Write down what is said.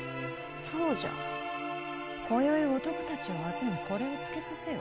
そうじゃ今宵男たちを集めこれをつけさせよ。